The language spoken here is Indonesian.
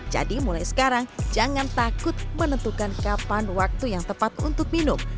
jadi mulai sekarang jangan takut menentukan kapan waktu yang tepat untuk minum